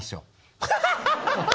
ハハハハハ。